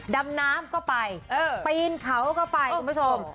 ดำน้ำก็ไปปีนเขาก็ไปคุณผู้ชม